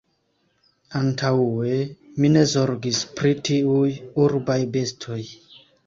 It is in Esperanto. Antaŭe, mi ne zorgis pri tiuj urbaj bestoj...